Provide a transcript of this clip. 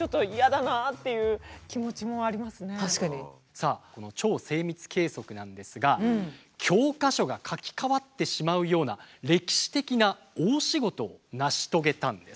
さあこの超精密計測なんですが教科書が書き換わってしまうような歴史的な大仕事を成し遂げたんです。